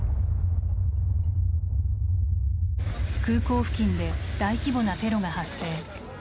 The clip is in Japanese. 空港付近で大規模なテロが発生。